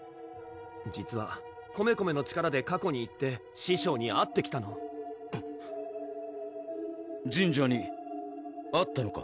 実はコメコメの力で過去に行って師匠に会ってきたのジンジャーに会ったのか？